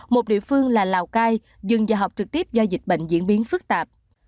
một địa phương là lào cai dừng giờ học trực tiếp do dịch bệnh diễn biến phức tạp